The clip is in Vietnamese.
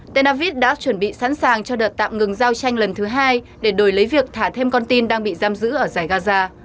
tel aviv đã chuẩn bị sẵn sàng cho đợt tạm ngừng giao tranh lần thứ hai để đổi lấy việc thả thêm con tin đang bị giam giữ ở giải gaza